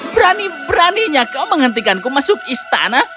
berani beraninya kau menghentikanku masuk istana